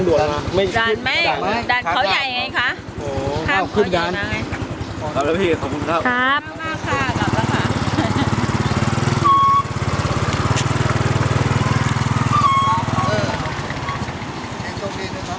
ด่านเขาใหญ่ไงคะ